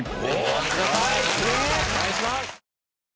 お願いします。